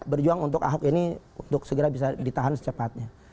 berjuang untuk ahok ini untuk segera bisa ditahan secepatnya